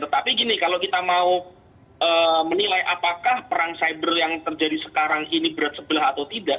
tetapi gini kalau kita mau menilai apakah perang cyber yang terjadi sekarang ini berat sebelah atau tidak